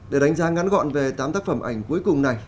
để đánh giá ngắn gọn về tám tác phẩm ảnh cuối cùng này